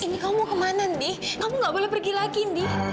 indi kamu mau ke mana andi kamu nggak boleh pergi lagi indi